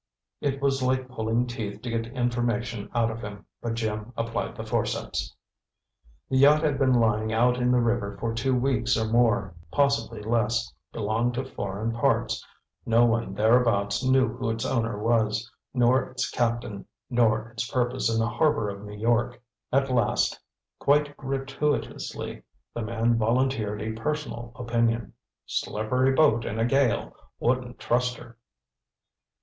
It was like pulling teeth to get information out of him, but Jim applied the forceps. The yacht had been lying out in the river for two weeks or more, possibly less; belonged to foreign parts; no one thereabouts knew who its owner was; nor its captain; nor its purpose in the harbor of New York. At last, quite gratuitously, the man volunteered a personal opinion. "Slippery boat in a gale wouldn't trust her."